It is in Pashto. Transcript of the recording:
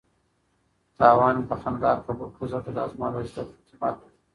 تاوان مې په خندا قبول کړ ځکه دا زما د زده کړې قیمت و.